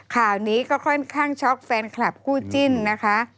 ข่าวนี้ก็ค่อนข้างช็อกแฟนคลับคู่จิ้นนะคะ